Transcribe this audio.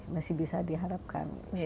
masih bisa diharapkan